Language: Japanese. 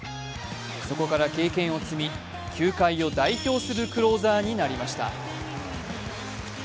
そこから経験を積み球界を代表するクローザーになりました。